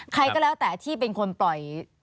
ใครก็แล้วแต่ที่เป็นคนปล่อย